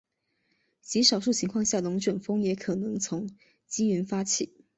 极少数情况下龙卷风也可能从积云发起。